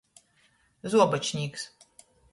Zuobočnīks.